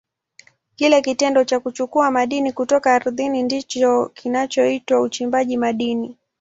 Kile kitendo cha kuchukua madini kutoka ardhini ndicho kinachoitwa uchimbaji madini.